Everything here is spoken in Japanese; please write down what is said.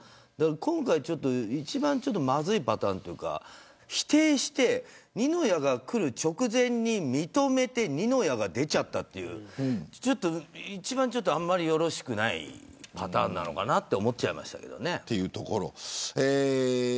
今回一番まずいパターンというか否定して二の矢がくる直前に認めて二の矢が出ちゃったという一番よろしくないパターンなのかなと思っちゃいました。